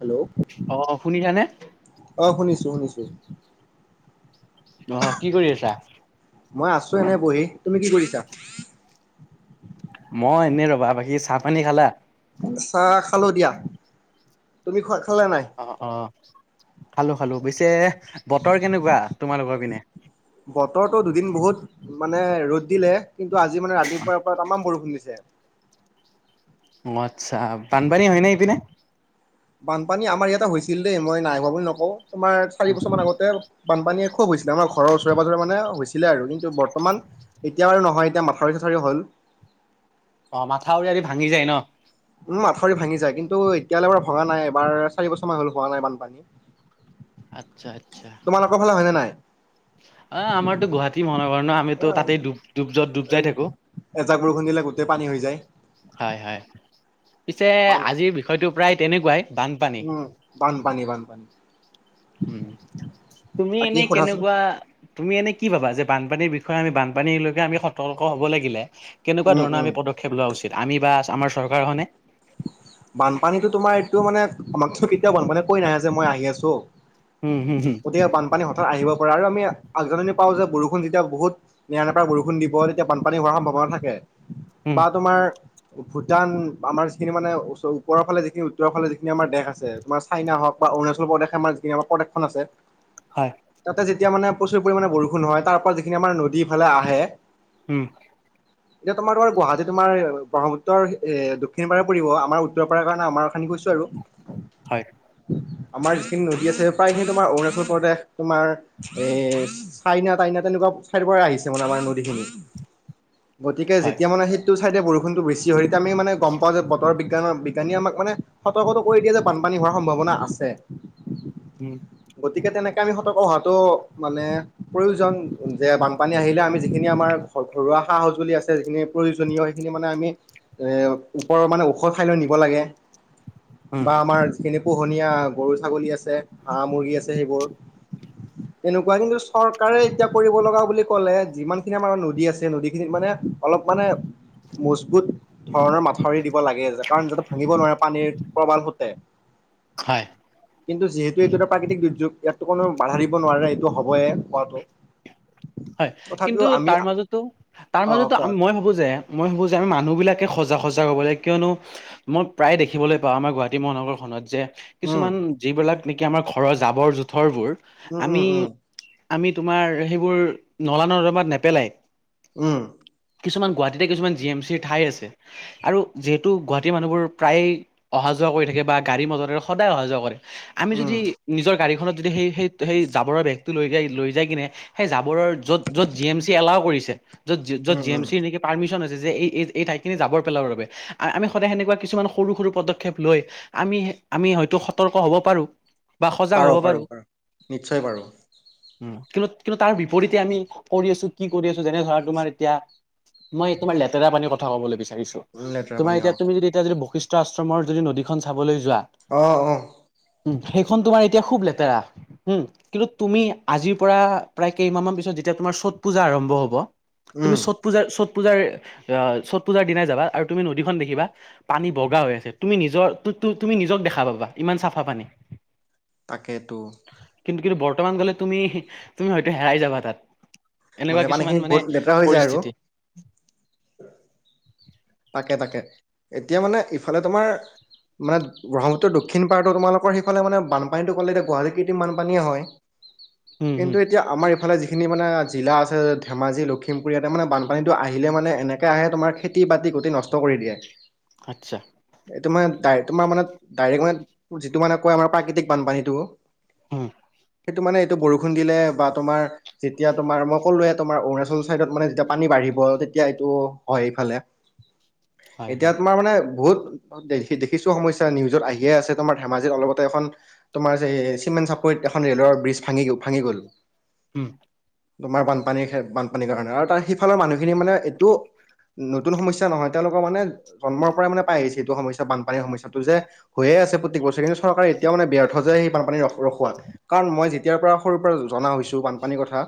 Hello অ শুনিছা নে। অ শুনিছো শুনিছো। অ কি কৰি আছা। মই আছো এনে বহি তুমি কি কৰিছা। মই এনেই ৰবা বাকী চাহ পানী খালা। চাহ খালো দিয়া তুমি খোৱা। খালা নাই? অ অ খালো খালো পিছে বতৰ কেনেকোৱা তোমালোকৰ পিনে। বতৰটো দুদিন বহুত মানে ৰ'দ দিলে কিন্তু আজি মানে ৰাতিপুৱাৰ পৰা তামাম বৰষুণ দিছে। যে অ আচ্ছা বানপানী হয় নে ইপিনে। বানপানী আমাৰ ইয়াতে হৈছিল দেই মই নাই হোৱা বুলি নকওঁ তোমাৰ চাৰি বছৰ মান আগতে বানপানীয়ে। খুব হৈছিলে আমাৰ ঘৰৰ ওচৰে পাজৰে মানে হৈছিলে আৰু কিন্তু বৰ্তমান এতিয়া আৰু নহয় এতিয়া মা [unintelligible] হ'ল অ মাথাউৰি আদি ভাঙি যায় ন। উম মাথাওৰি ভাঙি যায় কিন্তু এতিয়ালে বাৰু ভঙি নাই এবাৰ চাৰি বছৰমান হল হোৱা নাই বানপানী। আচ্ছা আচ্ছা তোমালোকৰ ফালে হয়নে নাই? অ আমাৰতো গুৱাহাটী মহানগৰ ন। আমিতো তাতেই ড ডুব ডুব যাই থাকো। এজাক বৰষুণ দিলে গোটেই পানী হৈ যায় হয় হয় পিছে আমাৰ আজিৰ বিষয়টো প্ৰায় তেনেকোৱাই। উম বান্ধপানী বান্ধপানী। উম তুমি বাকী এনে সোধাচোন কেনেকোৱা তুমি এনে। কি ভাবা যে বানপানীৰ বিষয়ে আমি বানপানীলৈকে আমি সতৰ্ক হ'ব লাগিলে। কেনেকোৱা উম, ধৰণৰ উম। আমি পদক্ষেপ লোৱা উচিত আমি বা আমাৰ চৰকাৰখনে। বানপানীতটো তোমাৰ এইটো মানে আমাকতো কেতিয়াও বানপানীয়ে কৈ নাহে যে মই আহি আছো। উম হম হম। বান পানী হঠাত আহিব পাৰে আৰু আমি আগজানি পাওঁ যে বৰষুণ যেতিয়া বহুত নেৰা নেপৰা বৰষুণ দিব তেতিয়া বানপানী সম্ভাৱনা থাকে উম, বা তোমাৰ ভূটান আমাৰ। যিখিনি মানে উপৰ যিখিনি উত্তৰ ফালে যিখি আমাৰ দেশ আছে তোমাৰ চাইনা হক বা অৰুণাচল প্ৰদেশ আম যিখিনি। খন আছে হয়, তাতে যেতিয়া মানে প্ৰচুৰ পৰিমাণে বৰষুণ হয় তাৰপ যিখিনি আমাৰ নদী ইফালে আহে উম এতিয়া তোমাৰ তোমাৰ গুৱাহাটী তোমাৰ ব্ৰহ্মপুত্ৰৰ এ [unintelligible] পৰিব আমাৰ উত্তৰ পাৰে কাৰণে আমাৰ উত্তৰ খিনি কৈছো আৰু হয়, আমাৰ যিখিনি নদী আছে প্ৰায়খিনি তোমাৰ অৰুণাচল প্ৰদেশ তোমাৰ এই চাইনা তাইনা তেনেকুৱা ঠাইপৰা আহিছে মানে আমাৰ নদীখিনিত গতিকে হয়, যেতিয়া মানে সেই। সেইটো চাইদে বৰষু বেছি হয় এতিয়া আমি মানে গম। পাওঁ যে বতৰ বিজ্ঞানৰ বিজ্ঞানীয়ে আমাক মানে সতৰ্কতা কৰি দিয়ে যে বানপানী হোৱাৰ সম্ভাৱনা আছে। উম গতিকে তেনেকৈ আমি সতৰ্ক হোৱাটো মানে প্ৰয়োজন যে বানপানী আহিলে আমি যিখিনি আমাৰ ঘৰুৱা সা সঁজুলি আছে যিখিনি প্ৰয়োজনীয় সেইখিনি মানে আমি এ ওপৰৰ মানে ঔষধ খাই লৈ নিব লাগে উম, বা আমাৰ যিখিনি পোহনীয়া গৰু ছাগলী আছে হাঁ মুৰ্গী আছে সেইবোৰ এনেকুৱা কিন্তু চৰকাৰে এতিয়া কৰিব লগা বুলি ক'লে যিমান খিনি আমাৰ নদী আছে নদী খিনিত মানে অলপ মানে মজবুত ধৰণৰ মাত প্ৰবণ হতে হয় কিন্তু যিহেতু এইটো এটা প্ৰাকৃতিক দুৰ্যোগ ইয়াতো কোনো বাধা দিব নোৱাৰে এইটো হবয়ে হোৱাটো। হয় তথাপিও কিন্তু আমি তাৰ মাজতো তাৰ অ মাজতো কোৱা মই কোৱা ভাবো যে মই ভাবো যে আমি মানুহ বিলাক। সজা সজা হব লাগে কিয়নো মই প্ৰায় দেখিবলৈ পাওঁ আমাৰ গুৱাহাটী মহানগৰ খনত যে উম কিছুমান যিবিলাক নেকি আমাৰ ঘৰৰ জাবৰ জোথৰ বোৰ উম উম উম আমি তোমাৰ সেইবোৰ নলা ন দমাত নেপেলাই উম কিছুমান গুৱাহাটীতে কিছুমান জি এম চিৰ ঠাই আছে আৰু যিহেতু গুৱাহাটীৰ মানুহবোৰ প্ৰায়ে অহা যোৱা অহা যোৱা কৰি থাকে বা গাড়ী মাজে সদায় অহা যোৱা কৰে আমি উম যদি নিজৰ গাড়ীখনত যদি সেই সেই সেই জাবৰৰ বেগটো লৈ যাই লৈ যাই কিনে সেই জাবৰৰ য'ত য'ত জি এম চি এলাও কৰিছে য'ত উম যত জি এম উম চি নেকি পাৰ্মিশন আছে যে এই এই ঠাই খিনি যাবৰ পেলাব বাবে আমি সদায় সেনেুৱা কিছুমান সৰু সৰু পদক্ষেপ লৈ আমি আমি হয়তো সতৰ্ক হ'ব পাৰোঁ। বা সজাগ পাৰ হ'ব পাৰ পাৰোঁ পাৰ নিশ্চয় পাৰ। উ কিন্তু কিন্তু তাৰ বিপৰীতে এতিয়া আমি কৰি আছো কি কৰি আছোঁ যেনে ধৰা তোমাৰ এতিয়া মই তোমাৰ লেতেৰা পানীৰ কথা ক'বলৈ বিছাৰো উম, লেতেৰা তোমাৰ পানী অ এতিয়া তুমি যদি এতিয়া যদি বৈশিষ্ট আশ্ৰমৰ যদি নদীখন চাবলৈ অহ -অহ- উ সেইখন তোমাৰ এতিয়া খুব লেতেৰা, হম কিন্তু তুমি আজিৰ পৰা প্ৰায় কেইমাহ মান পিছত যেতিয়া তোমাৰ চত পূজা আৰম্ভ হব, তুমি উম চত পূজাৰ পূজাৰ অ চত পূজাৰ দিনাই যাবা আৰু তুমি নদীখন দেখিবা পানী বগা হৈ আছে তুমি নিজৰ তুমি নিজক দেখা পাবা ইমান চাফা পানী। তাকেতো কিন্তু কিন্তু বৰ্তমান গ'লে তুমি তুমি হয়তো হেৰাই যাবা তাত। এনেকুৱা মানে পানীখিনি কিছুমান মানে বহুত লেতেৰা হৈ যায় আৰু পৰিস্থিতি। তাকে তাকে এতিয়া মানে ইফালে তোমাৰ। মানে ব্ৰহ্মপুত্ৰৰ দক্ষিণ পাৰে তোমালোকৰ সেইফোনে বানপানীটো ক'লে এতিয়া গুৱাহাটী কৃতিৰ্ম বানপানীয়ে হয়। উম উম কিন্তু এতিয়া আমাৰ ইফালে যি। খিনি মানে জিলা আছে ধেমাজি, লখিমপুৰ, ইয়াতে মানে বানপানীটো আহিলে মানে এনেকৈ আহে তোমাৰ খেতি -বাতি নষ্ট কৰি দিয়ে। আচ্ছা। এইটো মানে তোমাৰ মানে ডাইৰেক্ট মানে যিটো মানে কয় আমাৰ প্ৰাকৃতিক বানপানীটো। উম! সেইটো মানে এইটো বৰষুণ দিলে বা তোমাৰ যেতিয়া তোমাৰ মই কলোয়ে তোমাৰ অৰুণাচল চাইডত মানে যেতিয়া পানী বাঢ়ে বাঢ়িব তেতিয়া এইটো হয় এইফালে। হয় এতিয়া হয় তোমাৰ মানে বহুত দেখিছো সমস্যা নিউজত আহিয়ে আছে তোমাৰ ধেমাজিত অলপতে এখন তোমাৰ যে চিমে চা এখন ৰেলৰ বিজ ভাঙি ভাঙি গ'ল। উম! তোমাৰ বানপানীৰ বানপানীৰ কাৰণে আৰু তাৰ সিফালৰ মানুহখিনি মানে এইটো নতুন সমস্যা। নহয় তেওঁলোকৰ মানে জন্মৰ পৰা মানে পাই আহিছে এইটো সমস্যা বানপানীৰ সমস্যাটো, যে হৈয়ে আছে প্ৰতি বছৰে কিন্তু চৰকাৰে এতিয়াও মানে ব্যৰ্থ যোয় সেই বানপানীখ ৰখাত কাৰণ মই যেতিয় পৰা সৰুৰ পৰা জনা হৈছো বানপানীৰ কথা।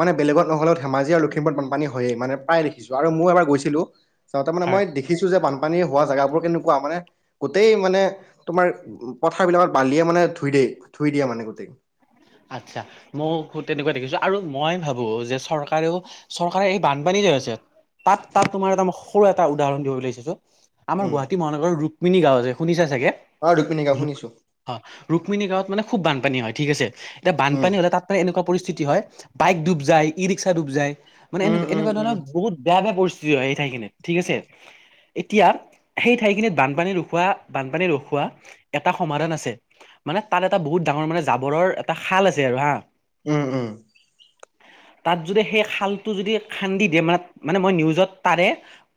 মানে বেলেগত নহলেও ধেমাজি আৰু লখিমপুৰত বানপানী হয়য়ে মানে প্ৰায় দেখিছো আৰু মই এবাৰ গৈছিলোঁ। চাওতে মে হয় মই দেখিছোঁ যে বানপ পানী হোৱা জেগাবোৰ কেনেকুৱা মানে গোটেই মানে তোমাৰ পথাৰ বিলাকত বালিয়ে মানে ধুই দিয় ধুই দিয়ে মানে গোটেই। আচ্ছা মইও তেনেকুৱা দেখিছো আৰু মই ভাবোঁ যে চৰকাৰেও চৰকাৰে এই বানপানী যে আছে তাত তাত তোমাৰ এটা মই সৰু এটা উদাহৰণ দিব বিল আহিছো আমাৰ উম গুৱাহাটী মহানগৰ ৰুক্মিণী গাঁও যে শুনিছা চাগে, অ ৰুক্মিণী কোৱা শুনিছোঁ ৰুক্মিণী গাঁৱত মানে খুব বানপানী হয় ঠিক আছে। এতিয়া উম বানপানী হ'লে তাত ম এনেকুৱা পৰিস্থিতি হয় বাইক ডুব যায়, ই ৰিক্সা ডুব যায়। মানে এনে উম, উম, এনেকুৱা উম, ধৰণৰ বহুত বেয়া বেয়া পৰিস্থিতি হয় এই ঠাইখিনিত ঠিক আছে এতিয়া সেই ঠাইখিনিত বানপানী ৰখোৱা বানপানী ৰখোৱা এটা সমাধান আছে মানে তাত এটা বহুত ডাঙৰ মানে জাবৰৰ এটা খাল আছে আৰু হা। উম! উম! তাত যদি সেই খালটো যদি খান্দি দিয়ে মানে মানে মই নিউজত তাৰে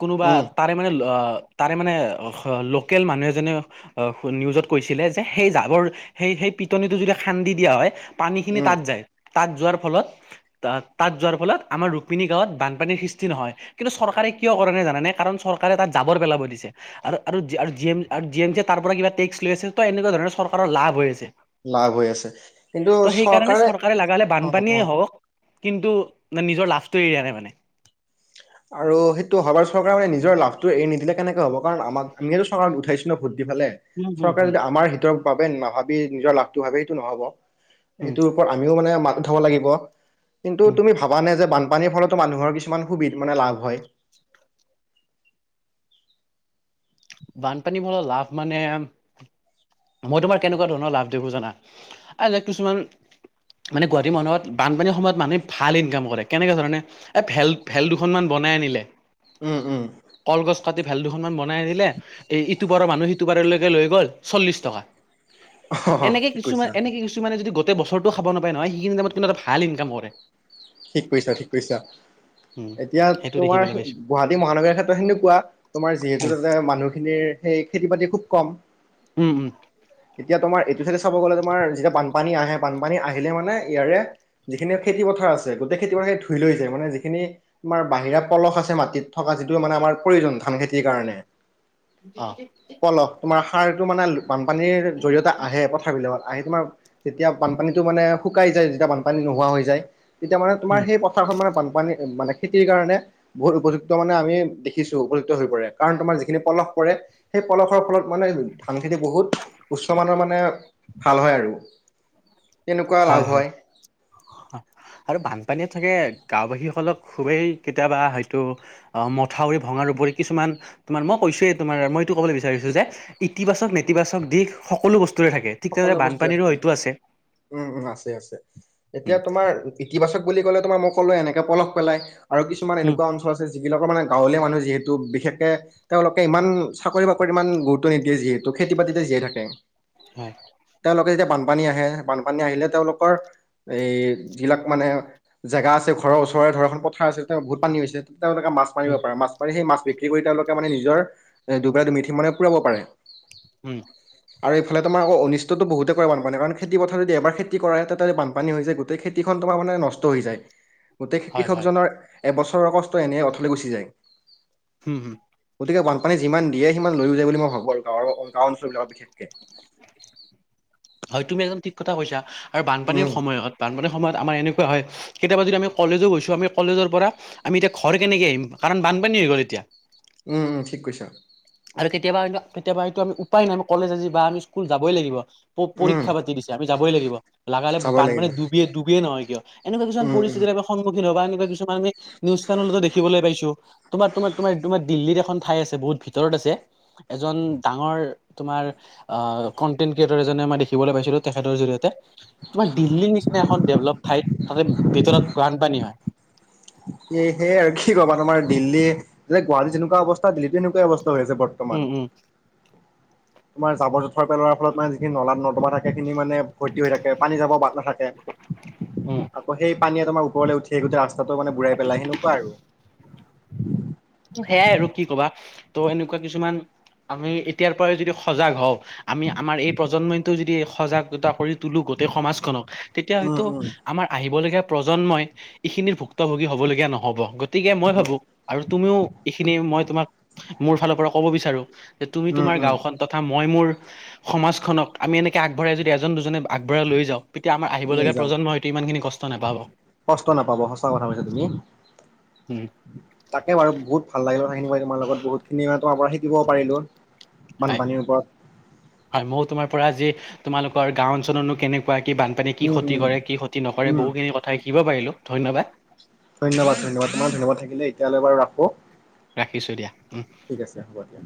কোনোবা উম, তাৰে মানে অ তাৰে মানে লোকেল মানুহ এজনে নিউজত কৈছিলে যে সেই জাবৰ সেই সেই পিটনিটো যদি খান্দি দিয়া হয় পানীখিনি উম, তাত যায়। তাত যোৱাৰ ফলত তাত যোৱাৰ ফলত আমাৰ ৰুক্মিণী গাঁৱত বানপানীৰ সৃষ্টি নহয় কিন্তু চৰকাৰে কিয় কৰে নাই জান নাই কাৰণ চৰকাৰে তাত জাবৰ পেলাব দিছে আৰু আৰু জি এম চ তাৰ পৰা কিবা লৈ আছে এনেকুৱ ধৰণৰ চৰকাৰৰ লাভ হৈ আছে। লাভ হৈ আছে। কিন্তু ত' সেইকাৰণে চৰকাৰে লগালে অ', বানপানীয়ে অ'। হওঁক কিন্তু নিজৰ লাভটো এৰি দিয়া নাই মানে। আৰু সেইটো সবাৰ চৰকাৰ মানে নিজৰ লাভটো এৰি নিদিলে, কেনেকে হব কাৰণ আমিয়ে চৰকাৰক উঠাইছো ভুট। সেইফালে, উম, হুম, চৰকাৰে হুম, যদি আমাৰ [unintelligible] বাবে নাভাবি নিজৰ লাভটো ভাবে সেইটো নহ'ব। হুম, সেইটোৰ ওপৰত আমিও মানে, মাত উঠাব লাগিব। কিন্তু, হুম, তুমি ভাবা নে যে বানপানী পানীৰ ফলতো মানুহৰ কিছুমান সুবিধা মানে, লাভ হয়। বানপানী [unintelligible] লাভ মানে মই তোমাৰ কেনেকুৱা ধৰণৰ লাভ দিব জানা এনে, কিছুমান মানে, গুৱাহাটী মানুহত বানপানীৰ সময়ত মানুহে ভাল ইনকাম কৰে, কেনেকে ধৰণে, এ, ভেল, ভেল দুখনমান বনাই বনাই আনিলে উম, উম, কল গছ কাটি ভেল দুখন মান বনাই আনিলে। এই ইটোপাৰৰ মানুহ সিটোপাৰলৈকে লৈ গ'ল চল্লিশ টকা। অ', এনেকে ঠিক কৈছা, কিছুমান এনেকে কিছুমানে যদি গোটেই বছৰটোও খাব নাপায় নহয়। সেইখিনি টাইমত কিন্তু এটা ভাল ইনকাম কৰে। ঠিক কৰিছা ঠিক কৰিছা। উম, এতিয়া সেইটো তোমাৰ দেখিবলৈ পাইছো গুৱাহাটী মহানগৰ ক্ষেত্ৰত সেনেকুৱা তোমাৰ যিহেতু উম, তাতে মানুহ সেইপিনে খেতি বাতি খুব কম উম, উম, এতিয়া তোমাৰ। পিছতে চাব গ'লে তোমাৰ যেতিয়া বানপানী আহে, বানপানী আহিলে মানে ইয়াৰে যিখিনিয় খেতি পথাৰ আছে। গোটেই খেতি পথাৰ‌ ধুই লৈ যায়। মানে, যিখিনি তোমাৰ বাহিৰা পলস আছে। মাটিত থকা যিটো মানে, আমাৰ প্ৰয়োজন থাকে। ধান খেতিৰ কাৰণে। অ'! পথাৰটো মানে, বানপানীৰ জৰিয়তে আহে, পথাৰবিলাকত। আহি তোমাৰ, যেতিয়া বানপানীটো মানে, শুকাই যায়। যেতিয়া, বানপানী নোহোৱা হৈ যায়। তেতিয়া মানে, উম। তোমাৰ সেই পথাৰখন মানে, বানপানীৰ মানে, খেতিৰ কাৰণে, বহুত উপযুক্ত মানে, আমি দেখিছোঁ, উপযুক্ত হৈ পৰে। কাৰণ, তোমাৰ যিখিনি পলশ পৰে সেই পলসৰ ফলত মানে ধান খেতি বহুত। উচ্চ মানৰ মানে ভাল হয় আৰু। তেনেকুৱা লাভ হয় হয়। আৰু বানপানীত থাকে গাঁওবাসীসকলক খুবেই কেতিয়াবা হয়তো মথাউৰি ভঙাৰ। [unintelligible] কিছুমান তোমাৰ মই কৈছোয়ে তোমাৰ মই এইটো ক'বলৈ বিচাৰিছোঁ যে ইতিবাচক নেতিবাচক দিশ সকলো বস্তু। এইটোৱে থাকে ঠিক তেনেকে সকলো বস্তুৰে বানপানীৰো থাকে হয়তো আছে। উম উম আছে আছে এতিয়া উম তোমাৰ ইতিবাচক বুলি কলে তোমাৰ মই কলো এনেকে পলস পেলাই। আৰু কিছুমান উম এনেকুৱা অঞ্চল আছে যে। যিবিলাকৰ মানে গাঁৱলীয়া মানুহ যিহেতু, বিশেষকে তেওঁলোকে ইমান চাকৰি বাকৰিত ইমান গুৰুত্ব নিদিয়। যিহেতু খেতি বাতিতে জীয়াই থাকে। হয় তেওঁলোকে যেতিয়া বানপানী আহে বানপানী আহিলে তেওঁলোকৰ। এই যিলাক মানে জেগা আছে ঘৰৰ ওচৰৰে ধৰা এখন পথাৰ আছে তেওঁ বহুত পানী হৈছে। তেওঁলোকে মাছ মাৰিব উম পাৰে মাছ মাৰি সেই মাছ। বিক্ৰী কৰি তেওঁলোকে মানে নিজৰ এ দুবেলা দুমুঠি মানে পুৰাব পাৰে। উম। আৰু এইফালে তোমাৰ। অনিষ্টটো বহুতে কৰে বানপানী কাৰণ খেতি পথাৰ যদি এবাৰ খেতি কৰে, তাতে বানপানী হৈ যায় গোটেই খেতিখন তোমাৰ নষ্ট। [unintelligible] গোটেই হয় হয় কৃষকজনৰ এবছৰৰ কষ্ট এনে অথলে গুচি যায়। হুম হুম। গতিকে বানপানী যিমান দিয়ে সিমান লৈ যায়, বুলি মই ভাবোঁ আৰু গাঁৱৰ গাঁও অঞ্চলবিলাক বিশেষকে। হয় তুমি একদম ঠিক কথা কৈছা। আৰু বানপানীৰ উম, সময়ত বানপানীৰ। সময়ত আমাৰ এনেকুৱা হয়, কেতিয়াবা যদি আমি কলেজো গৈছোঁ আমি কলেজৰ পৰা আমি এতিয়া ঘৰ কেনেকে আহিম কাৰণ। [unintelligible] বানপানী হৈ গ'ল এতিয়া। উম উম ঠিক কৈছা। আৰু কেতিয়াবা কেতিয়াবা এইটো আমি উপায় নাই কলেজ আজি বা আমি স্কুল যাবই লাগিব। উম, পৰীক্ষা পাতি দিছে আমি যাবই লাগিব, লাগিলে চাবই লাগিব। বানপানী ডুবিয়ে ডুবিয়ে নহয় কিয় এনেকুৱা কিছুমান উম, উম, পৰিস্থিতি। [unintelligible] সন্মুখিত কাৰণে। কিছুমান আমি নিউজ চেনেলতে দেখিবলৈ পাইছোঁ। তোমাৰ তোমাৰ তোমাৰ তোমাৰ‌ দিল্লীত এখন ঠাই আছে বহুত ভিতৰত। [unintelligible] ভিতৰত আছে এজন ডাঙৰ তোমাৰ আহ কন্টেন্ট ক্ৰিয়েটৰ এজনে আম দেখিবলৈ পাইছিলো তেখেতৰ জৰিয়তে তোমাৰ দিল্লীৰ নিচিনা এখন ডেভেলপ ঠাইত তাতে ভিতৰত বানপানী হয় স সে আৰু কি ক'বা তুমাৰ দিল্লী গুৱাহাটীত যেনেকুৱা অৱস্থা দিল্লীটো এনেকুৱা অৱস্থা। [unintelligible] হৈছে বৰ্তমান উম উম তোমাৰ জাবৰ, জোথৰ পেলোৱাৰ ফলত মানে যিখিনি নলাত নৰ্দমা থাকে খিনি মানে ভৰ্তি হৈ থাকে পানী জাবৰ বাট নাথাকে উম আকৌ সেই [unintelligible] পানীয়ে তোমাৰ ওপৰলৈ উঠি আহি গোটতে ৰাস্তাটো মানে বুঢ়াই পেলাই সেনেকুৱা আৰু টো সেয়াই আৰু কি কবা ত' এনেকুৱা কিছুমান আমি এতিয়াৰ পৰাই যদি সজাগ হওঁ [unintelligible] আমি আমাৰ এই প্ৰজন্মইটো যদি সজাগতা কৰি তলো গোটেই সমাজখনক তেতিয়া উম, হয়তো উম, আমাৰ আহিবলগীয়া প্ৰজন্মই এইখিনিৰ ভুক্তভোগী হব লগীয়া নহব। গতিকে মই উম, ভাবো আৰু তুমিও এইখিনি মই তোমাক মোৰ ফালৰ পৰা কব বিচাৰো যে তুমি উম, তোমাৰ উম, গাঁওখন তথা মই মোৰ সমাজখনক আমি এনেকে আগবঢ়াই যদি এজন দুজনে। আগবঢ়াই লৈ যাওঁ তেতিয়া আমাৰ লৈ আহিবলগীয়া যাওঁ প্ৰজন্মই হয়তো ইমানখিনি কষ্ট নাপাব। কষ্ট নাপাব সঁচা কথা কৈছা তুমি। উম তাকে বাৰু বহুত ভাল লাগিল ত সেইখিনি তোমাৰ লগত বহুত খিনি ম তোমাৰ পৰা শিকিব পাৰিলো। হয় হয় মই তোমাৰ পৰা আজি তোমালোকৰ গাও অঞ্চলনো কেনেকা [unintelligible] কি বানপানী কি উম ক্ষতি উম কৰে কি ক্ষতি নকৰে উম বহুখিনি কথা শিকিব পাৰিলো ধন্যবাদ ধন্যবাদ ধন্যবাদ তোমাৰ ধন্যবাদ থাকিলে এতিয়ালৈ বাৰু ৰাখো ৰাখিছোঁ দিয়া উম। ঠিক আছে হ'ব দিয়া